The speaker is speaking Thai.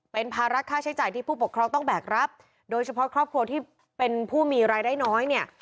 เป็นภาระค่าใช้จ่ายที่ผู้ปกครองต้องแบกรับโดยเฉพาะครอบครัวที่เป็นผู้มีรายได้น้อยเนี่ย